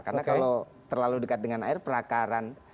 karena kalau terlalu dekat dengan air perakaran